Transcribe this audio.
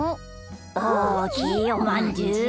おおきいおまんじゅう。